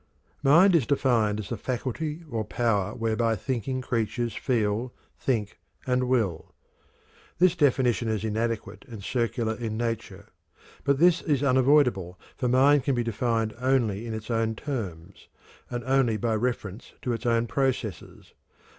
Mind is defined as "the faculty or power whereby thinking creatures, feel, think, and will." This definition is inadequate and circular in nature, but this is unavoidable, for mind can be defined only in its own terms and only by reference to its own processes.